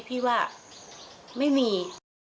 พี่ว่าไม่มี